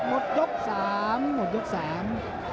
หมดยกสามหมดยกสาม